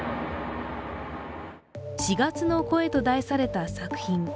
「４月の声」と題された作品。